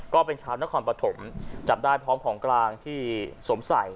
ก็เป็นชาวนครปฐมจับได้พร้อมของกลางที่สวมใส่